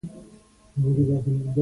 منرالي مالګې په ځمکه کې کمیږي.